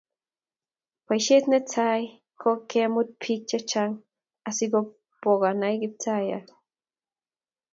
Bosihet netai ko kemut bik che chang asipikonai Kiptayat